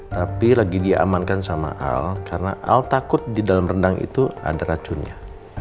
tapi lagi diamankan sama al karena al takut di dalam rendang itu ada racunnya